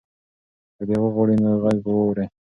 که دی وغواړي نو غږ به واوري.